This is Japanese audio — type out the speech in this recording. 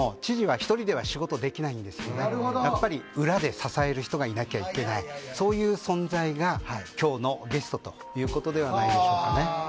はいはいそうですよねだけれどもやっぱり裏で支える人がいなきゃいけないそういう存在が今日のゲストということではないでしょうかね